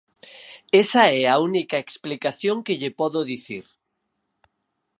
Esa é a única explicación que lle podo dicir.